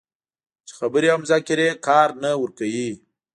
چې خبرې او مذاکرې کار نه ورکوي